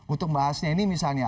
untuk mbak hasnani misalnya